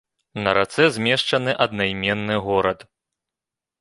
На рацэ змешчаны аднайменны горад.